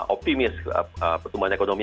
optimis pertumbuhan ekonomi